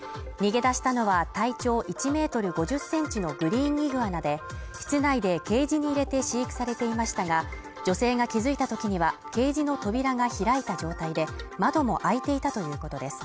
逃げ出したのは体長１ｍ５０ｃｍのグリーンイグアナで、室内でケージに入れて飼育されていましたが、女性が気づいたときには、ケージの扉が開いた状態で窓も開いていたということです。